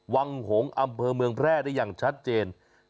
หงษ์อำเภอเมืองแพร่ได้อย่างชัดเจน